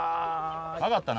分かったな？